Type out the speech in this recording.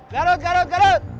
garut garut garut